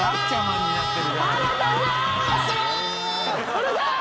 うるさい！